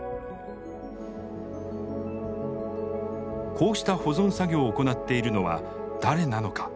こうした保存作業を行っているのは誰なのか。